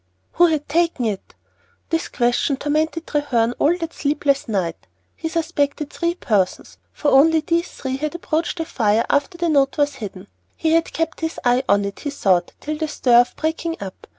Who had taken it? This question tormented Treherne all that sleepless night. He suspected three persons, for only these had approached the fire after the note was hidden. He had kept his eye on it, he thought, till the stir of breaking up.